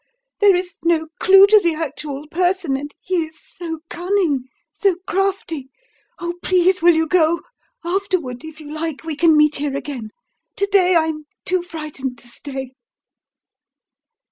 There is no clue to the actual person and he is so cunning, so crafty Oh, please, will you go? Afterward, if you like, we can meet here again. To day I am too frightened to stay."